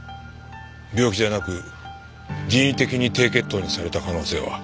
病気じゃなく人為的に低血糖にされた可能性は？